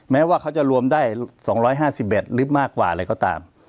แม้ว่าเขาจะรวมได้๒๕๑หรือมากกว่าอะไรก็ตาม